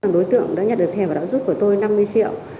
đối tượng đã nhận được thẻ và đã giúp của tôi năm mươi triệu